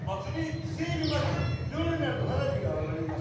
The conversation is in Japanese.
「伊勢えび祭」「夜になると花火が上がります」